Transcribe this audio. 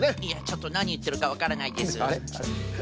いやちょっとなにいってるかわからないです。